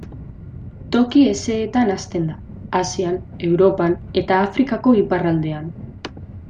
Toki hezeetan hazten da, Asian, Europan eta Afrikako iparraldean.